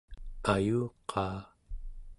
ayuqaa